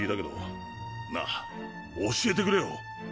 なぁ教えてくれよ！